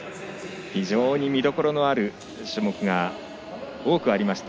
非常に見どころのある種目が多くありました